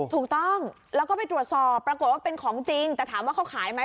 ถูกต้องแล้วก็ไปตรวจสอบปรากฏว่าเป็นของจริงแต่ถามว่าเขาขายไหม